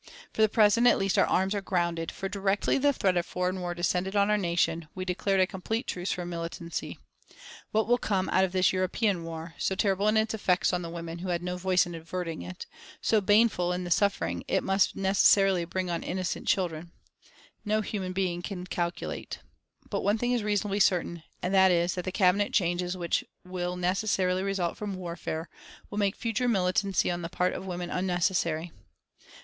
For the present at least our arms are grounded, for directly the threat of foreign war descended on our nation we declared a complete truce from militancy. What will come out of this European war so terrible in its effects on the women who had no voice in averting it so baneful in the suffering it must necessarily bring on innocent children no human being can calculate. But one thing is reasonably certain, and that is that the Cabinet changes which will necessarily result from warfare will make future militancy on the part of women unnecessary.